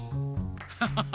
ハハハハ！